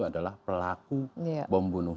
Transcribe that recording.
adalah pelaku bom bunuh